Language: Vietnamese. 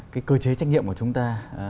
cái cơ chế trách nhiệm của chúng ta